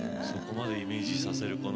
そこまでイメージさせる